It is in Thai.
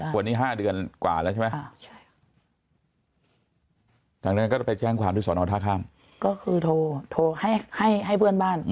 โพรนี้๕เดือนกว่าใช่ไหม